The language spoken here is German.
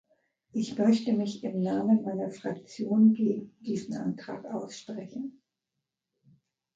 Ich möchte mich im Namen meiner Fraktion gegen diesen Antrag aussprechen.